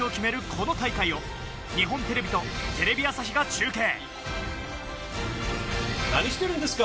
この大会を日本テレビとテレビ朝日が中継。